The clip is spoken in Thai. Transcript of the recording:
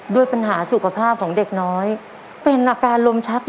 ด้วยปัญหาสุขภาพของเด็กน้อยเป็นอาการลมชัก